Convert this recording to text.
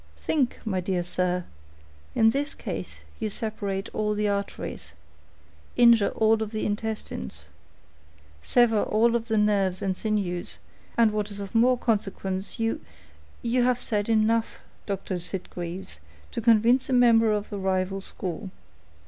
Think, my dear sir; in this case you separate all the arteries—injure all of the intestines—sever all of the nerves and sinews, and, what is of more consequence, you—" "You have said enough, Dr. Sitgreaves, to convince a member of a rival school.